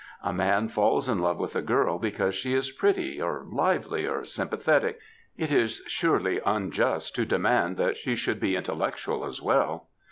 A man falls in love with a girl because she is pretty, or lively, or sympathetic ; it is surely unjust to demand that she should be intellectual as well.